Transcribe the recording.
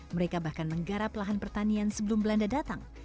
mereka bahkan menggarap lahan pertanian sebelum belanda datang